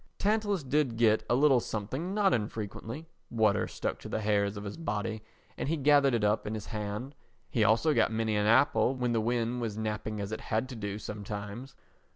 Tantalus did get a little something not infrequently; water stuck to the hairs of his body and he gathered it up in his hand; he also got many an apple when the wind was napping as it had to do sometimes.